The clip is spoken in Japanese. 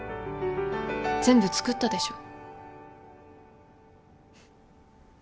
全部つくったでしょ？